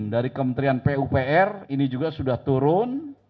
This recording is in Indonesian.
dari kementerian pupr ini juga sudah turun